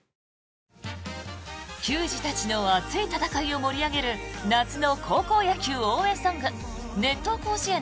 球児たちの熱い戦いを盛り上げる夏の高校野球応援ソング「熱闘甲子園」